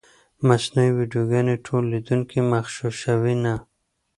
مصنوعي ویډیوګانې ټول لیدونکي مغشوشوي نه.